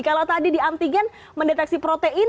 kalau tadi di antigen mendeteksi protein